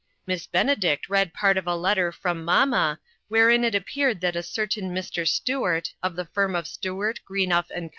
Miss Benedict read part of a letter from " mamma," wherein it appeared that a certain Mr. Stuart, of the firm of Stuart, Greenough & Co.